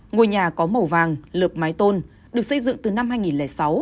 ngôi nhà có màu vàng lượp mái tôn được xây dựng từ năm hai nghìn sáu